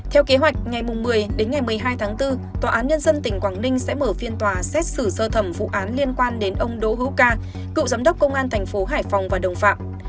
theo kế hoạch ngày một mươi đến ngày một mươi hai tháng bốn tòa án nhân dân tỉnh quảng ninh sẽ mở phiên tòa xét xử sơ thẩm vụ án liên quan đến ông đỗ hữu ca cựu giám đốc công an thành phố hải phòng và đồng phạm